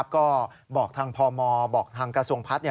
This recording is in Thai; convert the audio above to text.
ก็บอกทางพมบอกทางกระทรวงพัฒน์